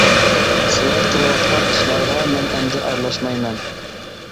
سىلەر قىلىۋاتقان ئىشلارغا مەن ئەمدى ئارىلاشمايمەن.